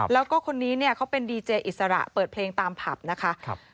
แล้วก็คนนี้เนี่ยเขาเป็นดีเจอิสระเปิดเพลงตามผับนะคะ